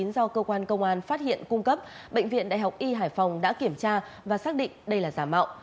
do cơ quan công an phát hiện cung cấp bệnh viện đại học y hải phòng đã kiểm tra và xác định đây là giả mạo